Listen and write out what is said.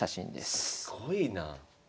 すごいなあ。